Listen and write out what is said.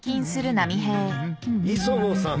磯野さん